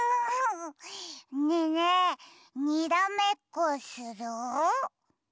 ねえねえにらめっこする？